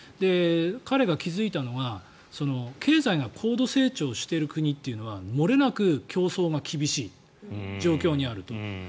彼が気付いたのが、経済が高度成長してる国っていうのはもれなく競争が厳しい状況にあると。